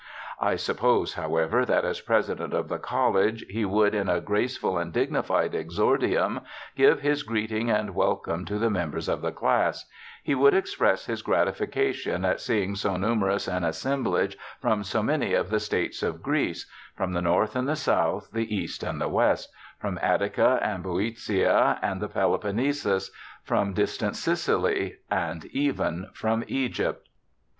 I suppose, however, that as President of the college, he would, in a graceful and dignified exordium, give his greeting and welcome to the members of the class ; he would express his gratification at seeing so numerous an assemblage from so many of the states of Greece — from the North and the South, the East and the West — from Attica, and Boeotia, and the Peloponnesus— from distant Sicily, and even from Egypt.